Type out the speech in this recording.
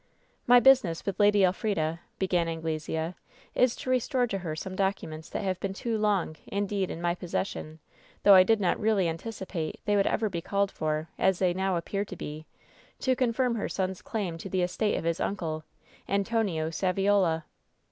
"My business with Lady Elfrida," began Anglesea, "is to restore to her some documents that have been too long, indeed, in my possession, though I did not really anticipate they would ever be called for, as they now appear to be, to confirm her son's claim to the estate of his uncle — ^Antonio Saviola."